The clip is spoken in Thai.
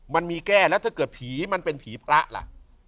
มันมีแก้แล้วถ้าเกิดผีมันเป็นผีพระล่ะ